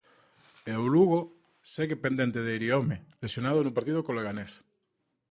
E o Lugo segue pendente de Iriome, lesionado no partido co Leganés.